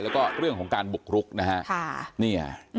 และก็เรื่องของการบวกลุกนะครับ